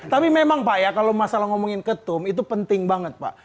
tapi memang pak ya kalau masalah ngomongin ketum itu penting banget pak